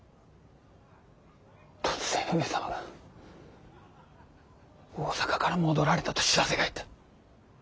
突然上様が大坂から戻られたと報せが入った。